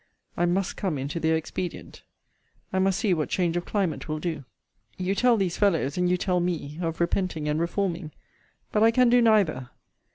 I must come into their expedient. I must see what change of climate will do. You tell these fellows, and you tell me, of repenting and reforming; but I can do neither.